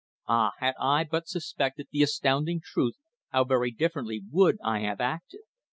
Ah! had I but suspected the astounding truth how very differently would I have acted!